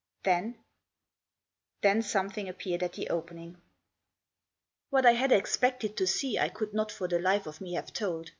Then Then something appeared at the opening. What I had expected to see I could not for the life of me have told.